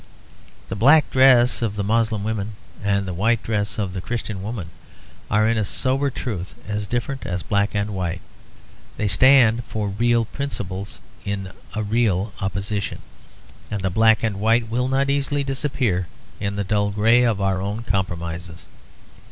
The black dress of the Moslem woman and the white dress of the Christian woman are in sober truth as different as black and white. They stand for real principles in a real opposition; and the black and white will not easily disappear in the dull grey of our own compromises.